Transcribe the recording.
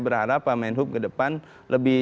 berharap pak menhub ke depan lebih